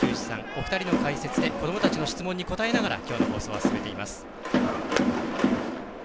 お二人の解説で子どもたちの質問に答えながらきょうの放送は進めています。